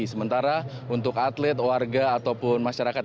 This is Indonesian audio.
sementara untuk atlet warga ataupun masyarakat